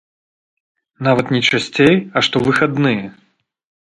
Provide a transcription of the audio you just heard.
Нават не часцей, а штовыхадныя.